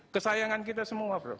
kesayangan kita semua prof